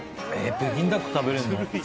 北京ダック食べれるの？